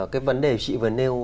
cái vấn đề chị vừa nêu